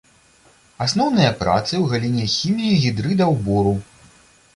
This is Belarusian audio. Асноўныя працы ў галіне хіміі гідрыдаў бору.